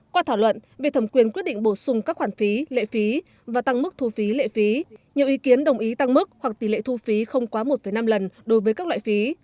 qua thảo luận về thẩm quyền quyết định bổ sung các khoản phí lệ phí và tăng mức thu phí lệ phí nhiều ý kiến đồng ý tăng mức hoặc tỷ lệ thu phí không quá một năm lần đối với các loại phí